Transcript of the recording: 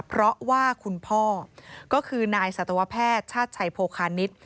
เพราะว่าคุณพ่อก็คือนายสัตวแพทย์ชาติชัยโภคานิษฐ์